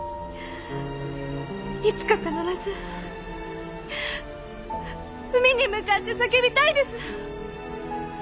いつか必ず海に向かって叫びたいです。